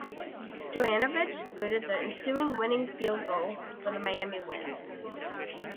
Stoyanovich booted the ensuing winning field goal for the Miami win.